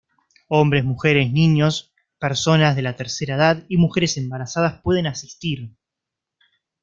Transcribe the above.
Hombres, mujeres, niños, personas de la tercera edad y mujeres embarazadas pueden asistir.